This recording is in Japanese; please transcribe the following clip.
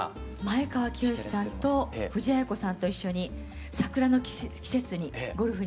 前川清さんと藤あや子さんと一緒に桜の季節にゴルフに行きまして。